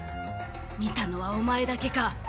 見たのはオマエだけか？